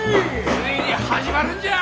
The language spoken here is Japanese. ついに始まるんじゃ！